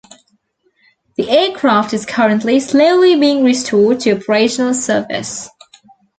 The aircraft is currently, slowly being restored to operational service.